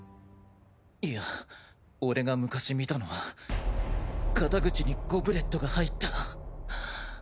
いや俺が昔見たのは肩口にゴブレットが入った。